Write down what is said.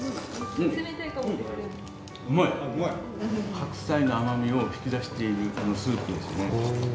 白菜の甘みを引き出しているこのスープですね。